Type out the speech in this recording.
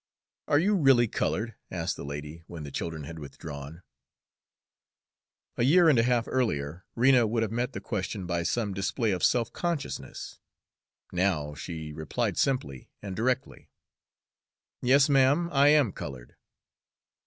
"Are you really colored?" asked the lady, when the children had withdrawn. A year and a half earlier, Rena would have met the question by some display of self consciousness. Now, she replied simply and directly. "Yes, ma'am, I am colored."